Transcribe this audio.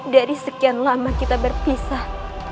dari sekian lama kita berpisah